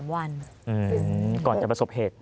วันก่อนจะประสบเหตุ